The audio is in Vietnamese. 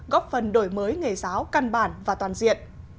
góp phần đổi mới nghề giáo căn bản và toàn diện